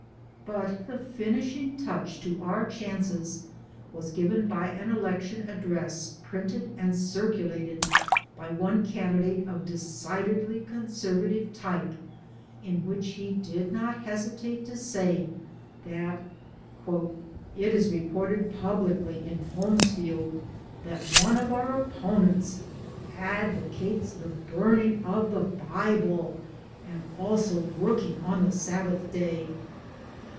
But the finishing touch to our chances was given by an election address printed and circulated by one candidate of decidedly Conservative type, in which he did not hesitate to say that " it is reported publicly in Holmesfield that one of our opponents advocates the burning of the Bible, and also working on the Sabbath Day."